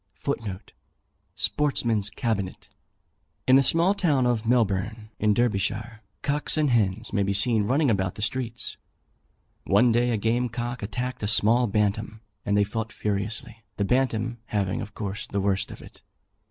[D] In the small town of Melbourne, in Derbyshire, cocks and hens may be seen running about the streets. One day a game cock attacked a small bantam, and they fought furiously, the bantam having, of course, the worst of it.